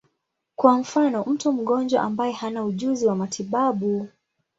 Kwa mfano, mtu mgonjwa ambaye hana ujuzi wa matibabu.